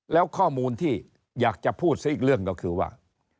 แล้วข้อมูลที่อยากจะพูดซะอีกเรื่องก็คือว่า